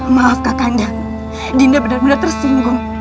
maaf kak kanda dinda benar benar tersinggung